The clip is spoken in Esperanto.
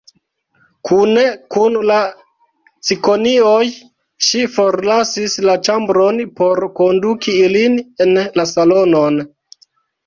Kune kun la cikonioj ŝi forlasis la ĉambron, por konduki ilin en la salonon.